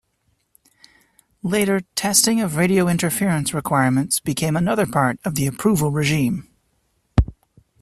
Later, testing of radio interference requirements became another part of the approval regime.